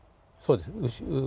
そうです。